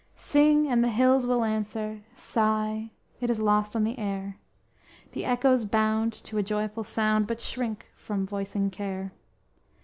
Sing and the hills will answer, Sigh, it is lost on the air, The echoes bound to a joyful sound, But shrink from voicing care.